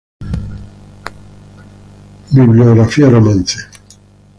Romance Bibliography.